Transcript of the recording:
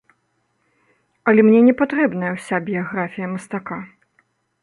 Але мне не патрэбная ўся біяграфія мастака.